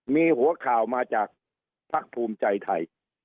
มีหัวข่าวมาจากภักดิ์ภูมิใจไทย